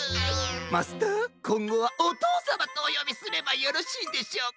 マスターこんごはおとうさまとおよびすればよろしいでしょうか？